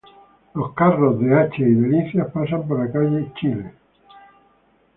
Los carros de H y Delicias pasan por la calle Chile.